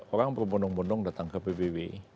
orang berbondong bondong datang ke pbb